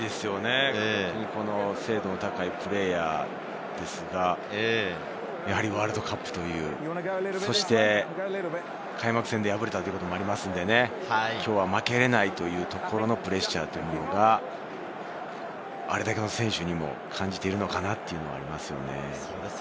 この精度の高いプレーヤーですが、やはりワールドカップという、そして開幕戦で敗れたということもありますので、きょうは負けられないというプレッシャーが、あれだけの選手にも感じているのかな？というのがありますね。